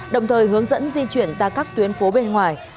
đồng thời hướng dẫn di chuyển ra các tuyến phố bên ngoài